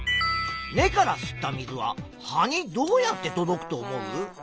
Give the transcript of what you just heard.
根から吸った水は葉にどうやって届くと思う？